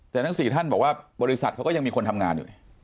แต่ทั้ง๔ท่านบอกว่าบริษัทเขาก็ยังมีคนทำงานอยู่